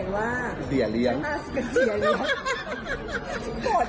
แล้วฉันก็ไปเดินห้างกับเธอทำเล็บกับเธอ